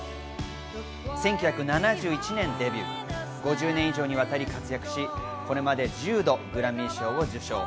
１９７１年デビュー、５０年以上にわたり活躍し、これまで１０度グラミー賞を受賞。